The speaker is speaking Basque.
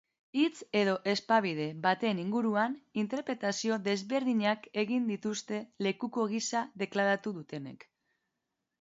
Hitz edo esapide baten inguruan interpretazio desberdinak egin dituzte lekuko gisa deklaratu dutenek.